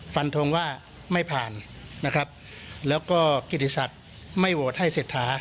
ฟันทงว่าไม่ผ่านนะครับแล้วก็กิติศักดิ์ไม่โหวตให้เศรษฐา